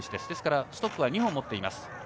ですから、ストックは２本持っています。